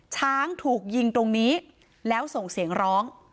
ช้างถูกยิงตรงนี้แล้วส่งเสียงร้อง